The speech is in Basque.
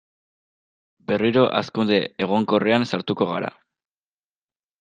Berriro hazkunde egonkorrean sartuko gara.